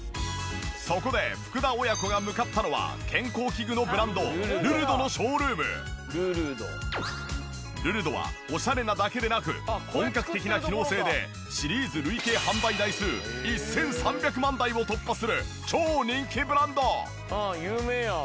そこで福田親子が向かったのは健康器具のブランドルルドはオシャレなだけでなく本格的な機能性でシリーズ累計販売台数１３００万台を突破する超人気ブランド。